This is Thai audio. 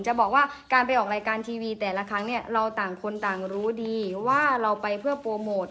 จะบอกว่าการไปออกรายการทีวีแต่ละครั้งเนี่ยเราต่างคนต่างรู้ดีว่าเราไปเพื่อโปรโมท